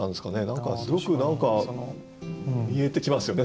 何かすごく何か見えてきますよね